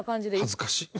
恥ずかし。